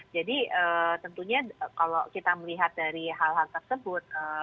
tentunya kalau kita melihat dari hal hal tersebut